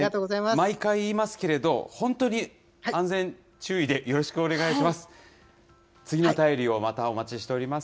毎回言いますけれど、本当に安全注意でよろしくお願いします。